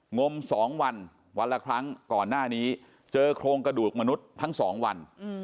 งม๒วันวันละครั้งก่อนหน้านี้เจอโครงกระดูกมนุษย์ทั้ง๒วัน